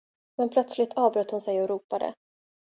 Men plötsligt avbröt hon sig och ropade.